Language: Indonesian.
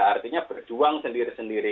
artinya berjuang sendiri sendiri